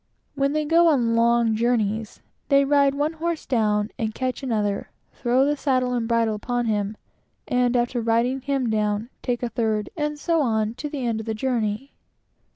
When they go on long journeys, they ride one horse down, and catch another, throw the saddle and bridle upon him, and after riding him down, take a third, and so on to the end of the journey.